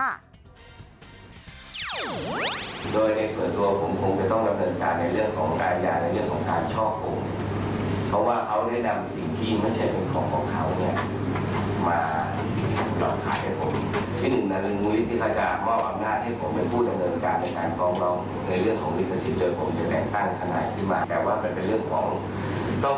โดยในส่วนตัวผมคงจะต้องดำเนินการในเรื่องของกายยาในเรื่องของการช่อกง